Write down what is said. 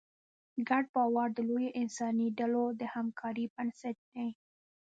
ګډ باور د لویو انساني ډلو د همکارۍ بنسټ دی.